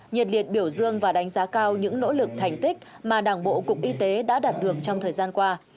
nhiệt liệt biểu dương và đánh giá cao những nỗ lực thành tích mà đảng bộ cục y tế đã đạt được trong thời gian qua